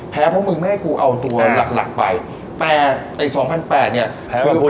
เพราะมึงไม่ให้กูเอาตัวหลักหลักไปแต่ไอ้สองพันแปดเนี่ยแพ้